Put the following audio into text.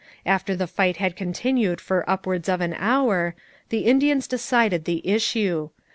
After the fight had continued for upwards of an hour, the Indians decided the issue.